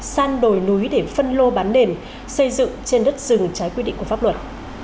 san đồi núi để phân lô bán nền xây dựng trên đất rừng trái quy định của pháp luật